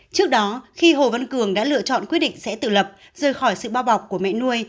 trước đó khi hồ văn cường đã lựa chọn quyết định sẽ tự lập rời khỏi sự bao bọc của mẹ nuôi